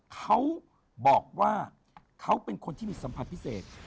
เขาบอกว่าเขาเป็นคนที่มีสัมผัสพิเศษ